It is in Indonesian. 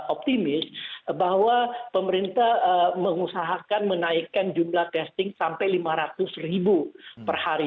optimis bahwa pemerintah mengusahakan menaikkan jumlah testing sampai lima ratus ribu per hari